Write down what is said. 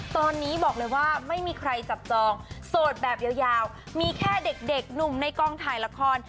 ตอนนี้บอกเลยว่าไม่มีใครจับจองโสดแบบยาวมีแค่เด็กหนุ่มในกองถ่ายละคร